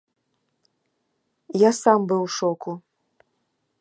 Я сам быў у шоку.